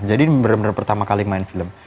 jadi ini benar benar pertama kali main film